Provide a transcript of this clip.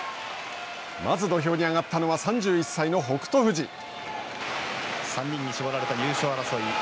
まず土俵に上がったのは３人に絞られた優勝争い。